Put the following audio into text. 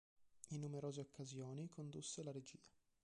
In numerose occasioni condusse la regia.